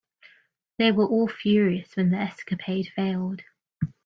They were all furious when the escapade failed.